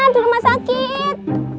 di rumah sakit